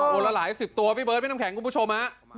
ละหลายสิบตัวพี่เบิร์ดพี่น้ำแข็งคุณผู้ชมฮะ